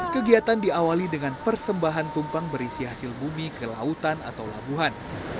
kegiatan diawali dengan persembahan tumpang berisi hasil bumi ke lautan atau labuhan